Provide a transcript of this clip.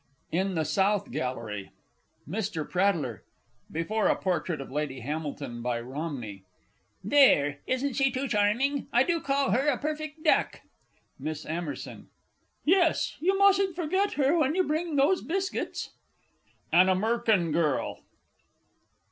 IN THE SOUTH GALLERY. MR. PRATTLER (before a portrait of Lady Hamilton by Romney). There! Isn't she too charming? I do call her a perfect duck! MISS AMMERSON. Yes, you mustn't forget her when you bring those biscuits. AN AMURRCAN GIRL.